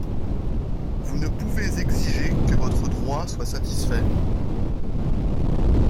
Vous ne pouvez exiger que votre droit soit satisfait.